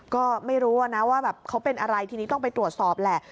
ก็ไม่รู้นะว่าแบบเขาเป็นอะไรทีนี้ต้องไปตรวจสอบแหละ